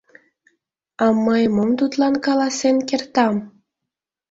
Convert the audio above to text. — А мый мом тудлан каласен кертам?